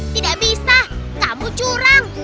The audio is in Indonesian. tidak bisa kamu curang